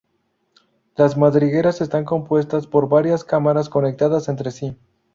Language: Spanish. Las madrigueras están compuestas por varias cámaras conectadas entre sí.